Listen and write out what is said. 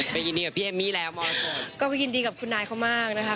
ไปยินดีกับพี่เอมมี่แล้วมสดก็ไปยินดีกับคุณนายเขามากนะคะ